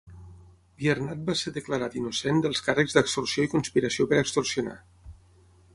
Biernat va ser declarat innocent dels càrrecs d'extorsió i conspiració per extorsionar.